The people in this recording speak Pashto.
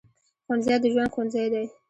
ښوونځی د ژوند ښوونځی دی